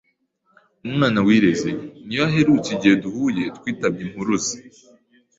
Umwana wireze" ni yo aherutse Igihe duhuye twitabye Impuruza